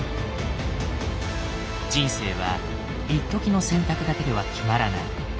人生はいっときの選択だけでは決まらない。